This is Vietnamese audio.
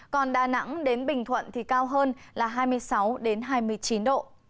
còn đà nẵng đến bình thuận thì cao hơn là hai mươi sáu hai mươi chín độ